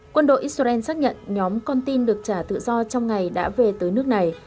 quân đội israel xác nhận nhóm con tin được trả tự do trong ngày đã về tới nước này